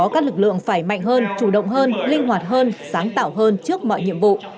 các lực lượng phải mạnh hơn chủ động hơn linh hoạt hơn sáng tạo hơn trước mọi nhiệm vụ